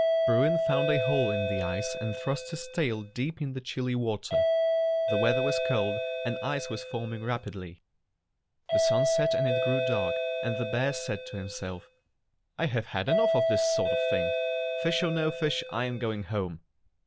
Bruin found a hole in the ice and thrust his tail deep in the chilly water. The weather was cold, and ice was forming rapidly. The sun set and it grew dark, and the bear said to himself: "I have had enough of this sort of thing. Fish or no fish, I am going home."